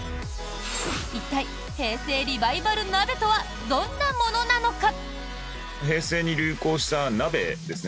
一体、平成リバイバル鍋とはどんなものなのか？